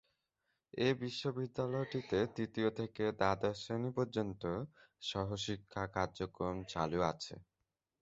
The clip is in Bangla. এ বিদ্যালয়টিতে তৃতীয় থেকে দ্বাদশ শ্রেনি পর্যন্ত সহশিক্ষা কার্যক্রম চালু আছে।